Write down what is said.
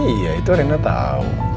iya itu rena tau